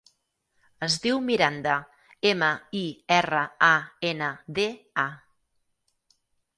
Es diu Miranda: ema, i, erra, a, ena, de, a.